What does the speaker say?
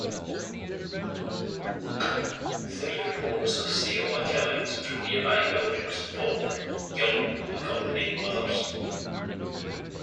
Three reports of saola killings from nearby villagers involved young accompanying mothers.